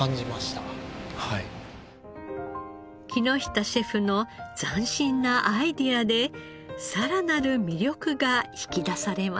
木下シェフの斬新なアイデアでさらなる魅力が引き出されました。